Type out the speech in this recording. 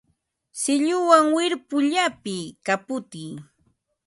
Silluwan wirpu llapiy, kaputiy